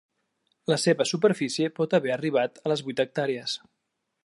La seva superfície pot haver arribat a les vuit hectàrees.